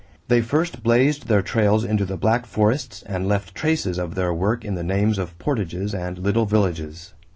They first blazed their trails into the black forests and left traces of their work in the names of portages and little villages.